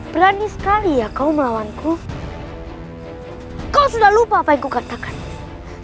berani sekali ya kau melawanku kau sudah lupa apa yang kukatakan sekarang akulah ketua perkuluan alkaliwuni